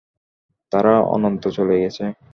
তারা অন্যত্র চলে গেছে।